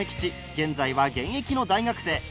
現在は現役の大学生。